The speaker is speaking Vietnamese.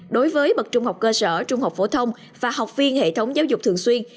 đối với bậc trung học cơ sở trung học phổ thông và học viên hệ thống giáo dục thường xuyên